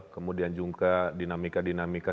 kemudian juga dinamika dinamika